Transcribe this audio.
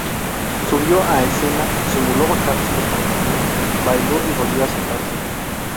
Subió a escena, simuló bajarse los pantalones, bailó y volvió a sentarse.